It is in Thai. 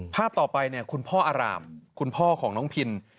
ภาพต่อไปเนี่ยคุณพ่ออารามคุณพ่อของน้องพิน